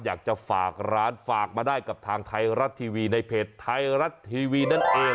อยากจะฝากร้านฝากมาได้กับทางไทยรัฐทีวีในเพจไทยรัฐทีวีนั่นเอง